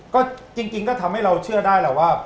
ก็จริงก็ทำให้เราเชื่อได้แหละว่า